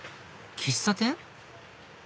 喫茶店？